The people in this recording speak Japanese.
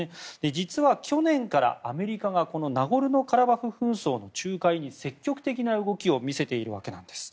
実は去年からアメリカがこのナゴルノカラバフ紛争の仲介に積極的な動きを見せているわけなんです。